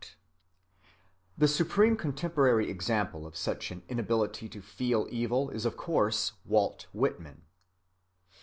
(37) The supreme contemporary example of such an inability to feel evil is of course Walt Whitman.